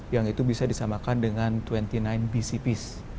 yang itu bisa disamakan dengan dua puluh sembilan bcps